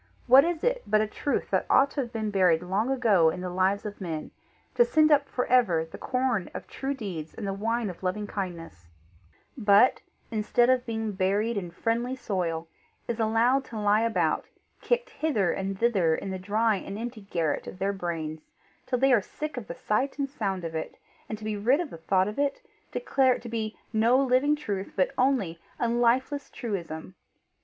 What is it but a truth that ought to have been buried long ago in the lives of men to send up for ever the corn of true deeds and the wine of loving kindness, but instead of being buried in friendly soil, is allowed to lie about, kicked hither and thither in the dry and empty garret of their brains, till they are sick of the sight and sound of it, and to be rid of the thought of it, declare it to be no living truth but only a lifeless truism!